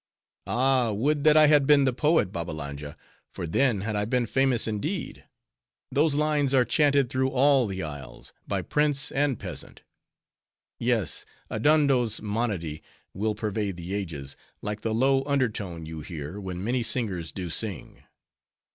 "Ah! Would that I had been the poet, Babbalanja; for then had I been famous indeed; those lines are chanted through all the isles, by prince and peasant. Yes, Adondo's monody will pervade the ages, like the low under tone you hear, when many singers do sing."